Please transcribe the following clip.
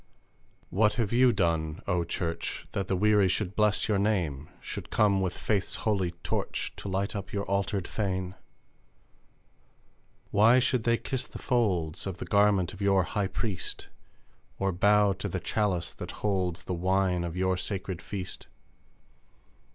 ............................ What have you done, O Church, That the weary should bless your name? Should come with faith's holy torch To light up your altered fane? Why should they kiss the folds Of The garment of your High Priest? Or bow to the chalice that holds The wine of your Sacred Feast?